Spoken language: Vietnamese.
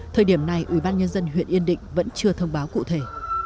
thời điểm này ủy ban nhân dân huyện yên định vẫn chưa thông báo cụ thể